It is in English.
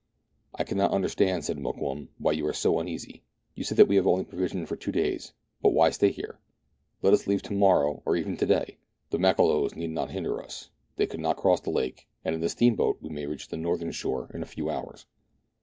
"I cannot understand," said Mokoum, "why you are so uneasy. You say that we have only provisions for two days ; but why stay here .• Let us leave to morrow, or even to day. The Makololos need not hinder us; they could not cross the lake, and in the steamboat we may reach the northern shore in a few hours."